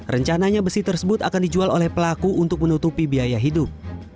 rencananya besi tersebut akan dijual oleh pelaku untuk menutupi biaya hidup